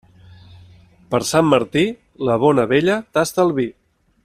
Per Sant Martí, la bona vella tasta el vi.